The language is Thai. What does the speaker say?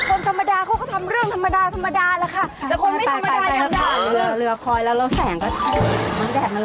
คนธรรมดาเขาก็ทำเรื่องธรรมดาธรรมดาแล้วค่ะ